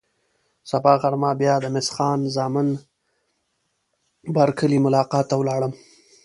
سبا غرمه بیا د مس خان زمان بارکلي ملاقات ته ولاړم.